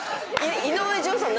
井上順さん